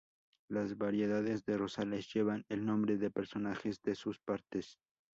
Las variedades de rosales llevan el nombre de personajes de sus partes.